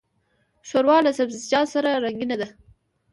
ښوروا له سبزيجاتو سره رنګینه ده.